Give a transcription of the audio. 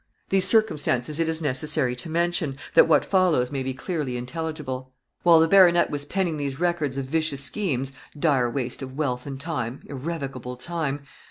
These circumstances it is necessary to mention, that what follows may be clearly intelligible. While the baronet was penning these records of vicious schemes dire waste of wealth and time irrevocable time!